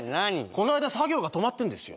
この間作業が止まってんですよ